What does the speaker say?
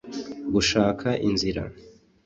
gushaka inzira